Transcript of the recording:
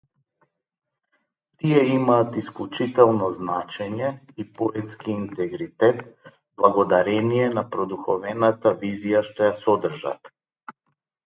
Тие имаат исклучително значење и поетски интегритет благодарение на продуховената визија што ја содржат.